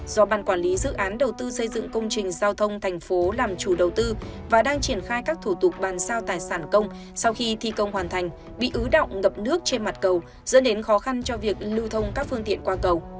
do ban quản lý dự án đầu tư xây dựng công trình giao thông thành phố làm chủ đầu tư và đang triển khai các thủ tục bàn sao tài sản công sau khi thi công hoàn thành bị ứ động ngập nước trên mặt cầu dẫn đến khó khăn cho việc lưu thông các phương tiện qua cầu